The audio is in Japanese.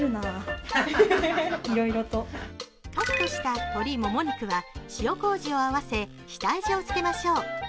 カットした鶏もも肉は塩麹を合わせ下味をつけましょう。